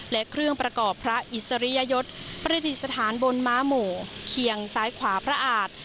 และเครื่องประกอบพระอิสริยยศประดิษฐานบนม้าหมู่เคียงซ้ายขวาพระอาจ